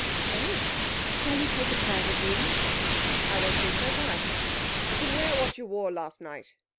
'Oh, shall you take a private room?' 'I don't think so. Why? You can wear what you wore last night....